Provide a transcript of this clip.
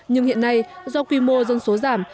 nhưng hiện nay do quy mô dân số giảm